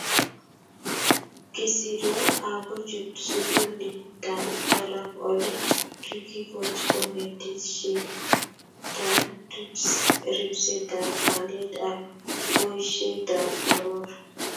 kisiryo akochut sukulitap barak Ole kikikoch konetisietab ripsetab kalyet ak boisietab poror